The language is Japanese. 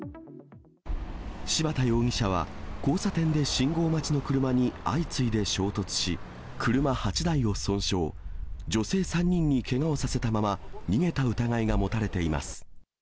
柴田容疑者は交差点で信号待ちの車に相次いで衝突し、車８台を損傷、女性３人にけがをさせたまま、逃げた疑いが持たれています。